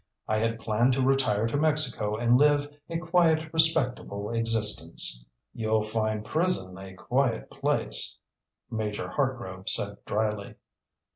I had planned to retire to Mexico and live a quiet, respectable existence." "You'll find prison a quiet place," Major Hartgrove said dryly.